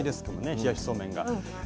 冷やしそうめんが。